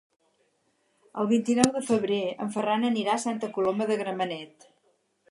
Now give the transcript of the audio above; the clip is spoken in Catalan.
El vint-i-nou de febrer en Ferran anirà a Santa Coloma de Gramenet.